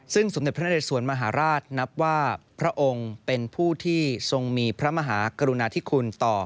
ซึ่งสมเด็จพระนเรสวนมหาราชนับว่าพระองค์เป็นผู้ที่ทรงมีพระมหากรุณาธิคุณต่อ